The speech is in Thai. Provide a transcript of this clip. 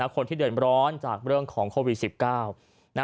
คนที่เดือดร้อนจากเรื่องของโควิด๑๙